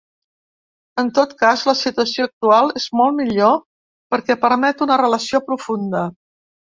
En tot cas, la situació actual és molt millor perquè permet una relació profunda.